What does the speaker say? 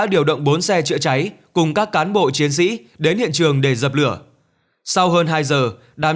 điều động bốn xe chữa cháy cùng các cán bộ chiến sĩ đến hiện trường để dập lửa sau hơn hai giờ đám